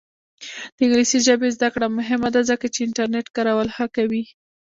د انګلیسي ژبې زده کړه مهمه ده ځکه چې انټرنیټ کارول ښه کوي.